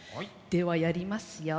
ではやりますよ。